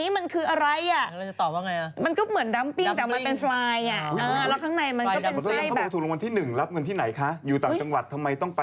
เมื่อกี้เขาถูกมาเขาถูกรางวัลที่๑นะ